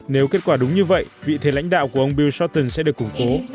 nếu kết quả đúng như vậy vị thầy lãnh đạo của ông bill shorten sẽ được củng cố